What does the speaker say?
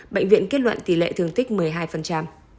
bệnh viện kết luận tỷ lệ thương tích một mươi hai